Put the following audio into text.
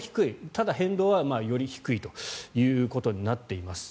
ただ、変動はより低いということになっています。